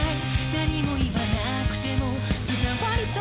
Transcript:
「何も言わなくても伝わりそうだから」